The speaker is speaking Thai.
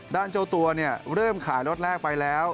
เจ้าตัวเริ่มขายรถแรกไปแล้ว